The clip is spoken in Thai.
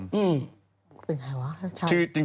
เป็นไงวะ